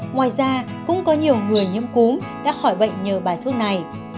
ngoài ra cũng có nhiều người nhiễm cúm đã khỏi bệnh nhờ bài thuốc này